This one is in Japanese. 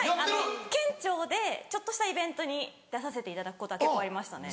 県庁でちょっとしたイベントに出させていただくことは結構ありましたね。